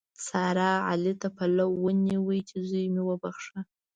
سارا؛ علي ته پلو ونیو چې زوی مې وبښه.